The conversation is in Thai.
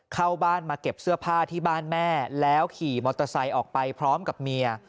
เข้าบ้านมาเก็บเสื้อผ้าที่บ้านแม่แล้วขี่มอเตอร์ไซค์ออกไปพร้อมกับเมีย